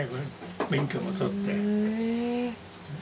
免許も取って。